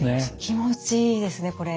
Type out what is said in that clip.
気持ちいいですねこれ。